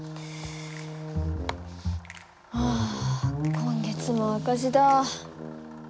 あ今月も赤字だ。